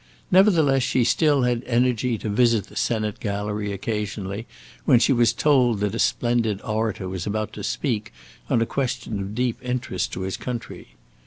Nevertheless she still had energy to visit the Senate gallery occasionally when she was told that a splendid orator was about to speak on a question of deep interest to his country.